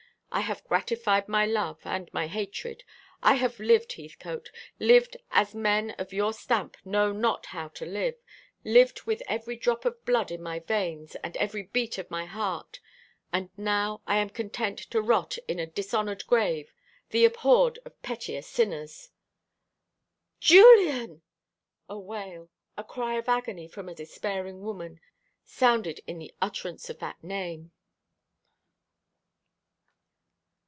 I have gratified my love and my hatred. I have lived, Heathcote; lived as men of your stamp know not how to live; lived with every drop of blood in my veins, with every beat of my heart: and now I am content to rot in a dishonoured grave, the abhorred of pettier sinners!" "Julian!" A wail a cry of agony from a despairing woman sounded in the utterance of that name.